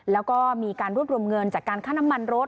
แล้วก็มีการรวบรวมเงินจากการค่าน้ำมันรถ